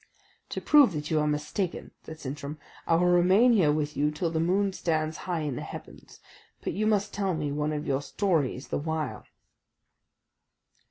"To prove that you are mistaken," said Sintram, "I will remain here with you till the moon stands high in the heavens. But you must tell me one of your stories the while."